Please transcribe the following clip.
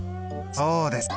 そうです。